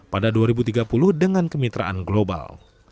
pada dua ribu tiga puluh dengan kemitraan global